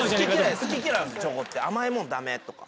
好き嫌いあるチョコって「甘いものダメ」とか。